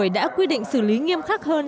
đã quy định xử lý nghiêm khắc hơn